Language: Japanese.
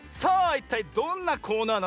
いったいどんなコーナーなのか？